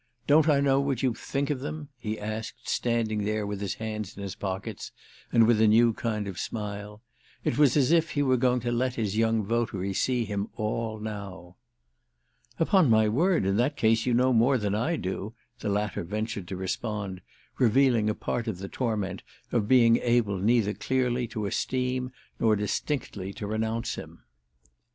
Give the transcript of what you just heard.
"Don't I know what you think of them?" he asked, standing there with his hands in his pockets and with a new kind of smile. It was as if he were going to let his young votary see him all now. "Upon my word in that case you know more than I do!" the latter ventured to respond, revealing a part of the torment of being able neither clearly to esteem nor distinctly to renounce him.